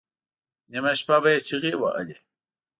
نیمه شپه به یې چیغې وهلې.